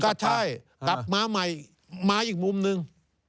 ก็ใช่กลับมาใหม่มาอีกมุมหนึ่ง